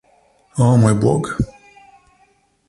Oh, moj bog.